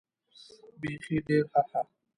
بېخي ډېر هههه.